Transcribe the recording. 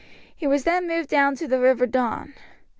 He was then moved down to the river Don.